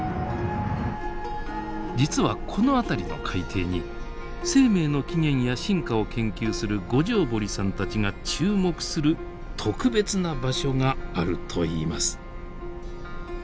実はこの辺りの海底に生命の起源や進化を研究する五條堀さんたちが注目する特別な場所があるといいます。